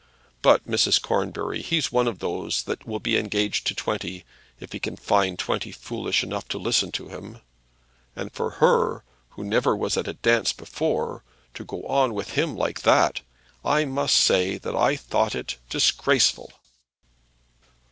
But, Mrs. Cornbury, he's one of those that will be engaged to twenty, if he can find twenty foolish enough to listen to him. And for her, who never was at a dance before, to go on with him like that; I must say that I thought it disgraceful!"